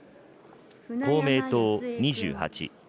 公明党２８。